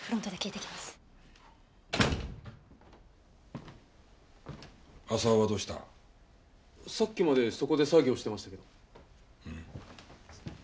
さっきまでそこで作業してましたけど。